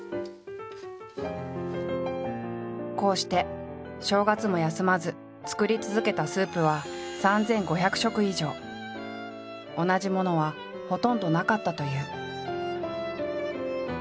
こうして正月も休まず作り続けたスープは同じものはほとんどなかったという。